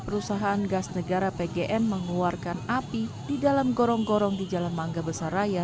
perusahaan gas negara pgm mengeluarkan api di dalam gorong gorong di jalan mangga besar raya